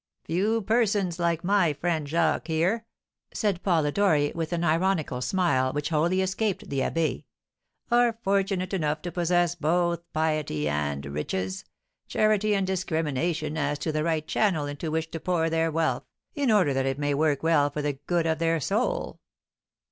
"Few persons, like my friend Jacques here," said Polidori, with an ironical smile, which wholly escaped the abbé, "are fortunate enough to possess both piety and riches, charity and discrimination as to the right channel into which to pour their wealth, in order that it may work well for the good of their soul."